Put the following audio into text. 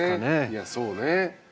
いやそうね。